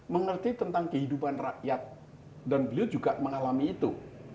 mengerti tentang kehidupan rakyat dan beliau juga mengalami itu